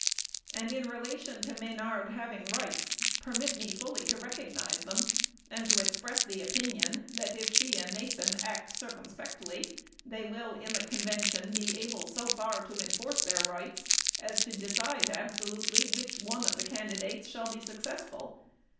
And in relation to Menard having rights, permit me fully to recognize them, and to express the opinion, that, if she and Mason act circumspectly, they will in the convention be able so far to enforce their rights as to decide absolutely which one of the candidates shall be successful.